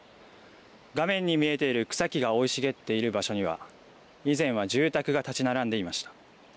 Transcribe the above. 画面に見えている草木が生い茂っている場所には、以前は住宅が建ち並んでいました。